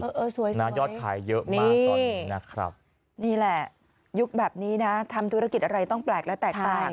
เออสวยจริงนะยอดขายเยอะมากตอนนี้นะครับนี่แหละยุคแบบนี้นะทำธุรกิจอะไรต้องแปลกและแตกต่าง